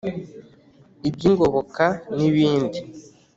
iby’ingoboka ni bindi